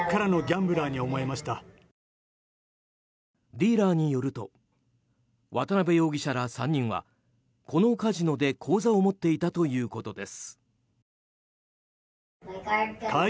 ディーラーによると渡邉容疑者ら３人はこのカジノで、口座を持っていたということです。